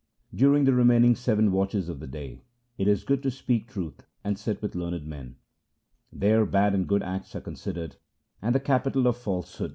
During the remaining seven watches of the day it is good to speak truth and sit with learned men ; There bad and good acts are considered, and the capital of falsehood decreaseth ; 1 Athi.